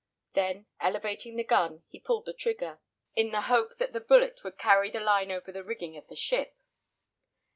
Then elevating the gun, he pulled the trigger; in the hope that the bullet would carry the line over the rigging of the ship.